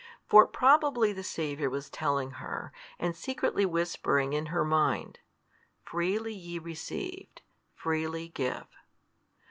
For probably the Saviour was telling her, and secretly whispering in her mind, Freely ye received, freely give.